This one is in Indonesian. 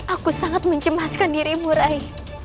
aku sangat mencemaskan dirimu rai